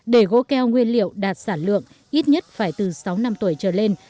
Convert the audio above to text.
để gỗ keo nguyên liệu đạt sản lượng ít nhất phải từ sáu năm tuổi trở lên